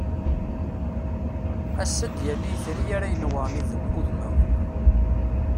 Assa ad d-yali yetri ara inewwṛen udmawen.